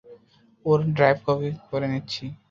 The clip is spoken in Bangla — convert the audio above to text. ওর ড্রাইভ কপি করে নিচ্ছি।